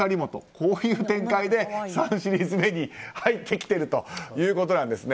こういう展開で３シリーズ目に入ってきているということなんですね。